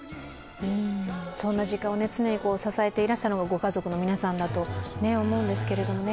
そんな時間を常に支えていらしたのがご家族の皆さんだと思うんですけどね。